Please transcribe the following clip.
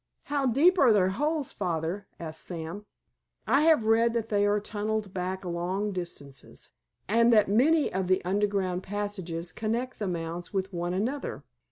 "How deep are their holes, Father?" asked Sam. "I have read that they are tunneled back long distances, and that many of the underground passages connect the mounds with one another.